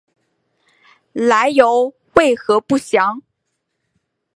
来由为何不详。